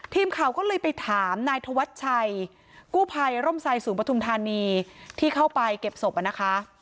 ทีมข่าวก็เลยไปถามนายธวัชชัยกู้ภัยร่มไซสูงปฐุมธานีที่เข้าไปเก็บศพนะคะ